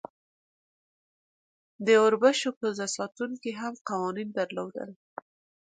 د اوربشو کوزه ساتونکی هم قوانین درلودل.